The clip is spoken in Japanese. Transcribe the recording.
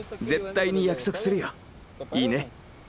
絶対に約束するよ。いいね。